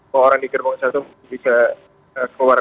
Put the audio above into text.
bahwa orang di gerbong satu bisa keluar